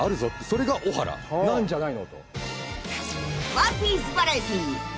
それがオハラなんじゃないのと。